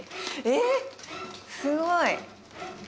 えっすごい。